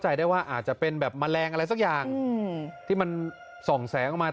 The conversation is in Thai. ใจได้ว่าอาจจะเป็นแบบแมลงอะไรสักอย่างที่มันส่องแสงออกมา